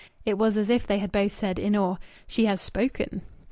It was as if they had both said, in awe "She has spoken!"